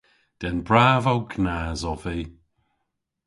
Den brav ow gnas ov vy.